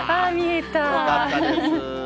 よかったです。